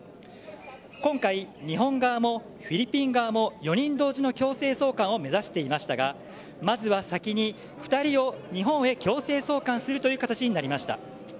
今回、日本側もフィリピン側も４人同時の強制送還を目指していましたがまずは先に２人を日本へ強制送還するという形になりました。